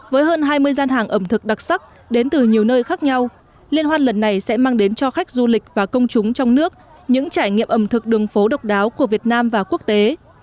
với hơn hai mươi gian hàng ẩm thực đặc sắc đến từ nhiều nơi khác nhau liên hoan lần này sẽ mang đến cho khách du lịch và công chúng trong nước những trải nghiệm ẩm thực đường phố độc đáo của việt nam và quốc tế